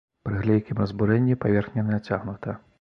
Пры глейкім разбурэнні паверхня нацягнута.